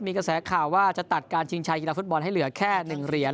มีกระแสข่าวว่าจะตัดการชิงชัยกีฬาฟุตบอลให้เหลือแค่๑เหรียญ